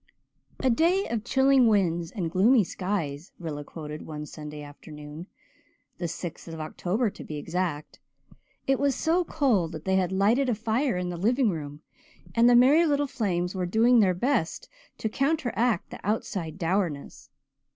"A day 'of chilling winds and gloomy skies,'" Rilla quoted one Sunday afternoon the sixth of October to be exact. It was so cold that they had lighted a fire in the living room and the merry little flames were doing their best to counteract the outside dourness.